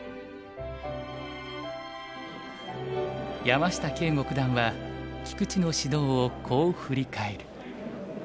山下敬吾九段は菊池の指導をこう振り返る。